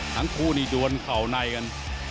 ทั้งคู่นี่ดวนเข่าในกัน